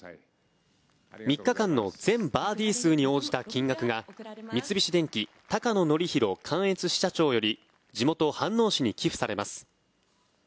３日間の全バーディー数に応じた金額が三菱電機高野則弘関越支社長より地元・飯能市に寄付されます。